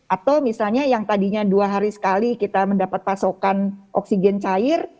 atau misalnya yang tadinya dua hari sekali kita mendapat pasokan oksigen cair